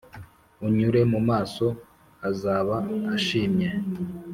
unyure mu maso azaba ashimye.